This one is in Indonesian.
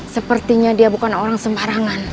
sepertinya dia bukan orang sembarangan